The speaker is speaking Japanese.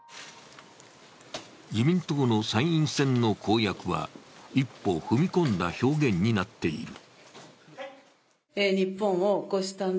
自民党の参院選の公約は一歩踏みこんだ表現になっている。